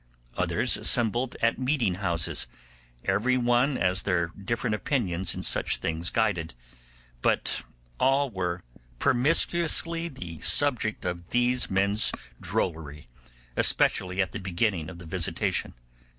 Others assembled at meeting houses, every one as their different opinions in such things guided, but all were promiscuously the subject of these men's drollery, especially at the beginning of the visitation.